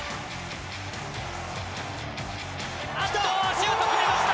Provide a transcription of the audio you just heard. シュート決めました！